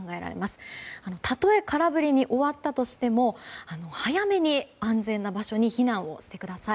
たとえ空振りに終わったとしても早めに安全な場所に避難をしてください。